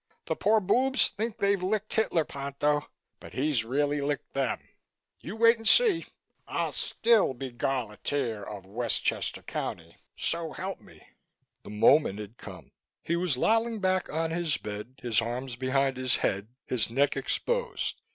The poor boobs think they've licked Hitler, Ponto, but he's really licked them. You wait'n see. I'll still be Gauleiter of Westchester County, so help me!" The moment had come. He was lolling back on his bed, his arms behind his head, his neck exposed.